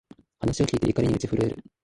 話を聞いて、怒りに打ち震える